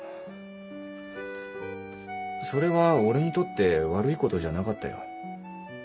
それは俺にとって悪いことじゃなかったよ。